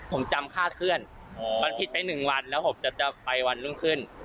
ผมจำคาดเคลื่อนมันผิดไป๑วันแล้วผมจะไปวันรุ่งขึ้น